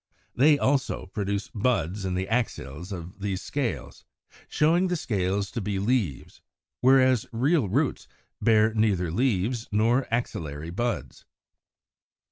They also produce buds in the axils of these scales, showing the scales to be leaves; whereas real roots bear neither leaves nor axillary buds.